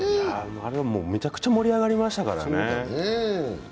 あれはめちゃくちゃ盛り上がりましたからね。